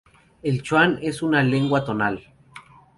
El chuan es una lengua tonal.